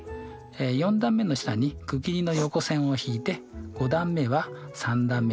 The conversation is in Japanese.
４段目の下に区切りの横線を引いて５段目は３段目と４段目を足し算します。